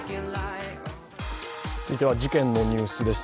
続いては、事件のニュースです。